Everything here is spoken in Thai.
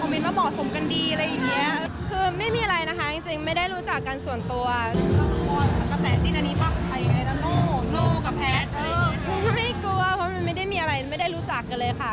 ไม่ได้มีอะไรไม่ได้รู้จักกันเลยค่ะ